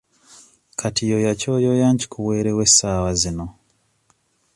Kati yoya ky'oyoya nkikuweerewo essaawa zino.